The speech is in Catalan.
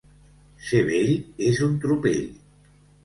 Ser vell és un tropell.